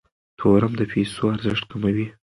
تورم د پیسو ارزښت کموي.